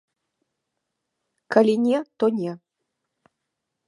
Калі не, то не.